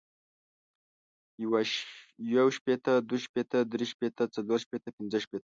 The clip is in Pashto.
يو شپيته ، دوه شپيته ،دري شپیته ، څلور شپيته ، پنځه شپيته،